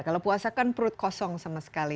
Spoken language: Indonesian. kalau puasa kan perut kosong sama sekali